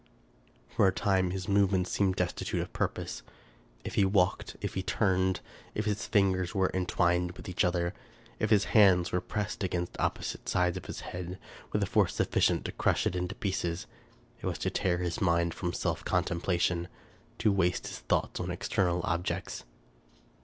For a time his movements seemed destitute of purpose. If he walked; if he turned; if his fingers were entwined with each other; if his hands were pressed against oppo site sides of his head with a force sufficient to crush it into pieces ; it was to tear his mind from self contemplation ; to waste his thoughts on external objects.